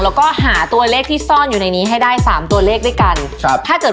และตัวเลขที่เบสคิดว่ามีนั่นก็คือ